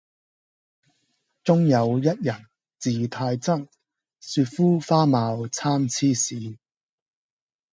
中有一人字太真，雪膚花貌參差是。